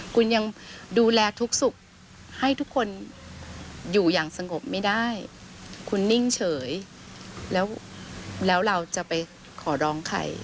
คุณยังดูแลทุกสุขให้ทุกคนอยู่อย่างสงบไม่ได้คุณนิ่งเฉยแล้วเราจะไปขอร้องใคร